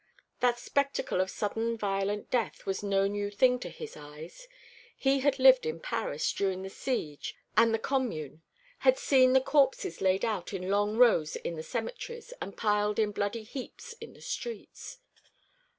That spectacle of sudden violent death was no new thing to his eyes. He had lived in Paris during the siege and the Commune, had seen the corpses laid out in long rows in the cemeteries, and piled in bloody heaps in the streets.